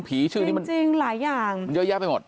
ชื่อนี้มันจริงหลายอย่างมันเยอะแยะไปหมด